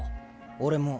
俺も。